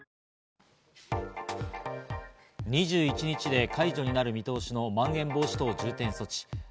２１日で解除になる見通しのまん延防止等重点措置。